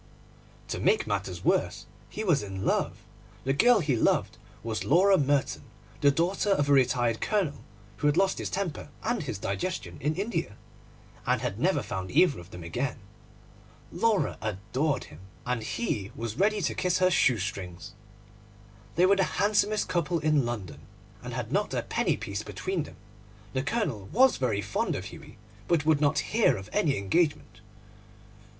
To make matters worse, he was in love. The girl he loved was Laura Merton, the daughter of a retired Colonel who had lost his temper and his digestion in India, and had never found either of them again. Laura adored him, and he was ready to kiss her shoe strings. They were the handsomest couple in London, and had not a penny piece between them. The Colonel was very fond of Hughie, but would not hear of any engagement.